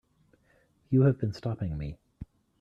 You have been stopping me.